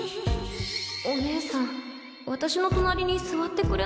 お姉さん私の隣に座ってくれないのね。